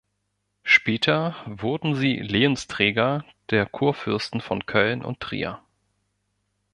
Später wurden sie Lehensträger der Kurfürsten von Köln und Trier.